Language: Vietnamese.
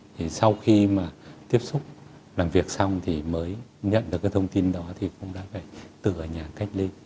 thì sau khi mà tiếp xúc làm việc xong thì mới nhận được cái thông tin đó thì cũng đã phải tự ở nhà cách ly